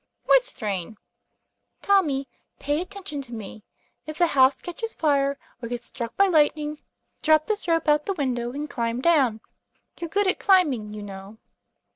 " What strain ?" 'Tommy, pay attention to me; if the house catches fire, or gets struck by lightning, drop this rope out the window and climb down. You're good at climbing, you know."